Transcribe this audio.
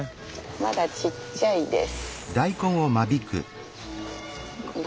まだちっちゃいです。